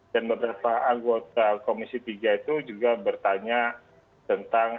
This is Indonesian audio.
dan beberapa anggota komisi tiga itu juga bertanya tentang